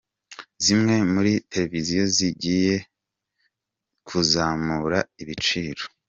zimwe muri tereviziyo zigiye kuzamura ibiciro